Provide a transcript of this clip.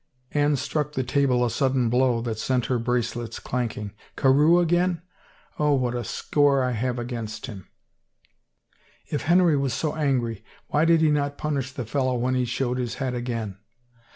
Anne struck the table a sudden blow that sent her bracelets clanking. " Carewe again ? Oh, what a score have I against him I " "If Henry was so angry why did he not punish the fellow when he showed his head again?"